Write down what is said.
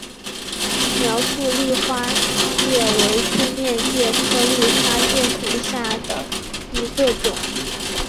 苗栗丽花介为粗面介科丽花介属下的一个种。